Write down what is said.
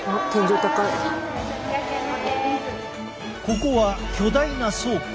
ここは巨大な倉庫。